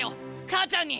母ちゃんに！